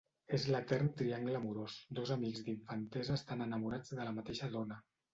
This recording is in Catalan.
És l'etern triangle amorós: dos amics d'infantesa estan enamorats de la mateixa dona.